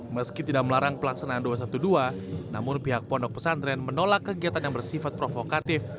meski tidak melarang pelaksanaan dua ratus dua belas namun pihak pondok pesantren menolak kegiatan yang bersifat provokatif